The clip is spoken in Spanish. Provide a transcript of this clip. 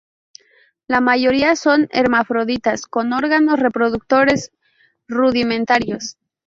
La mayoría son hermafroditas con órganos reproductores rudimentarios.